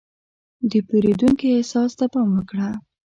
د پیرودونکي احساس ته پام وکړه.